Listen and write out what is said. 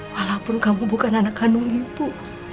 walaupun kamu bukan anak kandung ibu